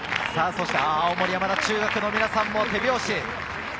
青森山田中学の皆さんも手拍子。